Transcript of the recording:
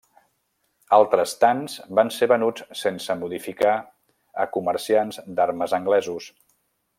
Altres tants van ser venuts sense modificar a comerciants d'armes anglesos.